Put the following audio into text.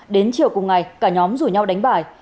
đến chiều cùng ngày cả nhóm rủ nhau đánh bài